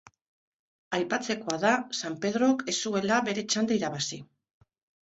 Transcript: Aipatzekoa da San Pedrok ez zuela bere txanda irabazi.